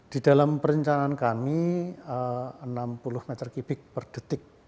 di dalam perencanaan kami enam puluh m tiga per detik